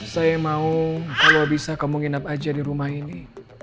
saya mau kalau bisa kamu nginap aja di rumah ini